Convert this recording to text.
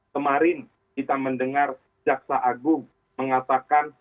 kemarin kita mendengar jaksa agung mengatakan